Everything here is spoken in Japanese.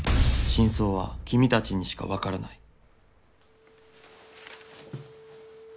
「真相は君たちにしかわからない」。